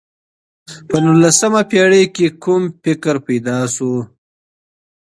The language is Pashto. په نولسمه پېړۍ کي کوم فکر پيدا سو؟